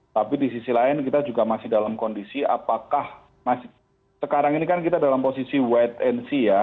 tapi di sisi lain kita juga masih dalam kondisi apakah sekarang ini kan kita dalam posisi wait and see ya